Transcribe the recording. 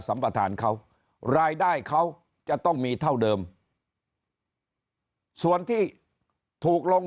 ประธานเขารายได้เขาจะต้องมีเท่าเดิมส่วนที่ถูกลง